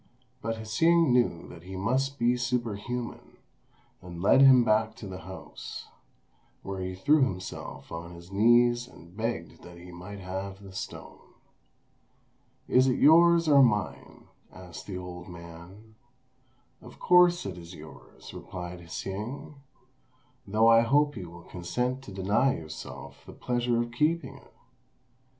But Hsing knew that he must be superhuman, and led him back to the house, where he threw himself on his knees and begged that he might have the stone. "Is it yours or mine?" asked the old man. "Of course it is yours," replied Hsing, "though I hope you will consent to deny yourself the pleasure of keeping it."